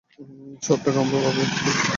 সব টাকা আমার বাবার এই ক্রেডিট কার্ডে আছে।